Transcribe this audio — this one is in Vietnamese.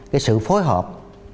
cái sự phối hợp